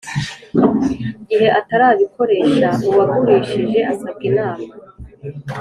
gihe atarabikoresha uwagurishije asabwa inama